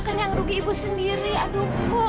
kan yang rugi ibu sendiri aduh bu